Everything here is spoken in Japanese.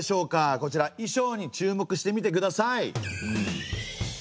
こちら衣装に注目してみてください。